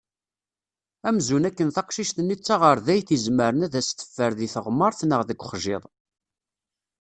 Amzun akken taqcic-nni d taɣerdayt izemren ad as-teffer deg teɣmert neɣ deg uxjiḍ.